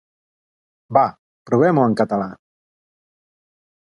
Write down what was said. Va, provem-ho en català!